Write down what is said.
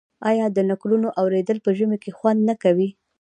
آیا د نکلونو اوریدل په ژمي کې خوند نه کوي؟